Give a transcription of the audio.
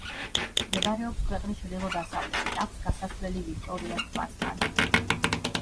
მდებარეობს ქვეყნის ჩრდილო-დასავლეთით, აქვს გასასვლელი ვიქტორიას ტბასთან.